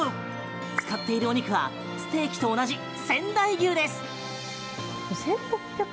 使っているお肉はステーキと同じ仙台牛です！